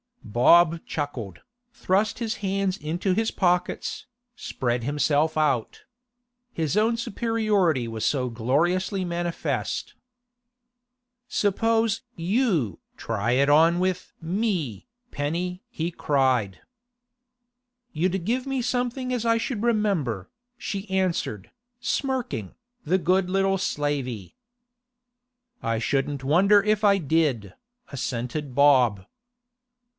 Bob chuckled, thrust his hands into his pockets, spread himself out. His own superiority was so gloriously manifest. 'Suppose you try it on with me, Penny!' he cried. 'You'd give me something as I should remember,' she answered, smirking, the good little slavey. 'Shouldn't wonder if I did,' assented Bob.